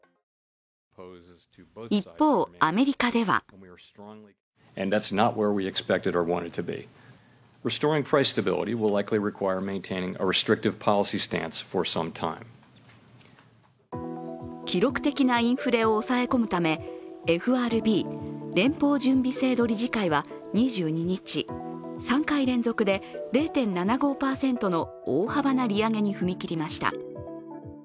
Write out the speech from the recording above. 一方、アメリカでは記録的なインフレを抑え込むためＦＲＢ＝連邦準備制度理事会は２２日、３回連続で０．７５％の大幅な利上げに踏み切りました。